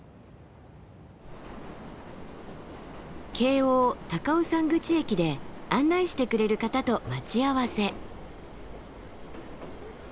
京王高尾山口駅で案内してくれる方と待ち合わせ。